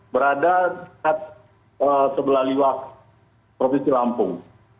berada sebelah liwa provinsi lampung